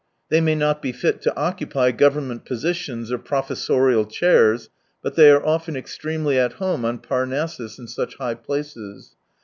They may not be fit to occupy government positions or professorial chairs, but they are often extremely at home on Parnassus and such high places.